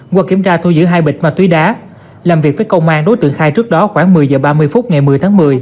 qua kiểm tra thu giữ hai bịch ma túy đá làm việc với công an đối tượng khai trước đó khoảng một mươi h ba mươi phút ngày một mươi tháng một mươi